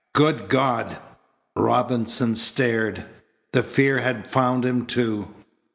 "Good God!" Robinson stared. The fear had found him, too.